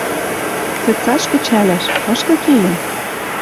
Цецаш кӹчӓлӓш: кышкы кеен?